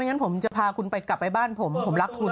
ไม่งั้นผมจะพากลับไปบ้านผมผมรักคุณ